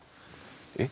え？